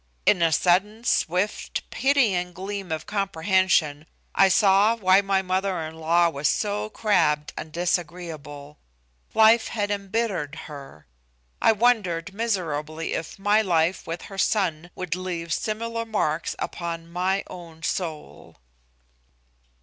In a sudden, swift, pitying gleam of comprehension, I saw why my mother in law was so crabbed and disagreeable. Life had embittered her. I wondered miserably if my life with her son would leave similar marks upon my own soul.